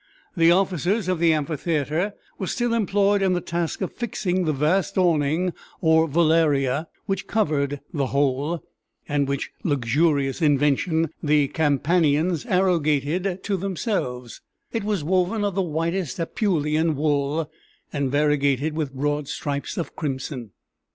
The officers of the amphitheatre were still employed in the task of fixing the vast awning (or velaria) which covered the whole, and which luxurious invention the Campanians arrogated to themselves: it was woven of the whitest Apulian wool, and variegated with broad stripes of crimson.